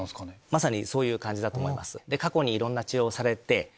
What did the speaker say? まさにそういう感じだと思います。